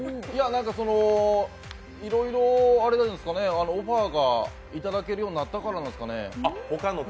なんか、いろいろあれなんですかね、オファーがいただけるようになったからですかね。